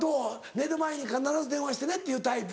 寝る前に必ず電話してねっていうタイプ？